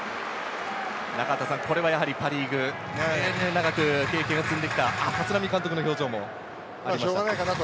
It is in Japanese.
これはやはりパ・リーグで長く経験を積んできた立浪監督の表情もしょうがないかな。